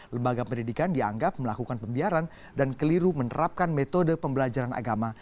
lembaga pendidikan dianggap melakukan pembiaran dan keliru menerapkan metode pembelajaran agama